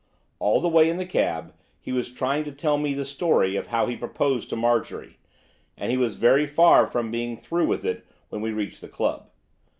All the way in the cab he was trying to tell me the story of how he proposed to Marjorie, and he was very far from being through with it when we reached the club.